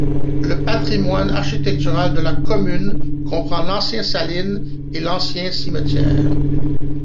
Le patrimoine architectural de la commune comprend l'ancienne saline et l'ancien cimetière.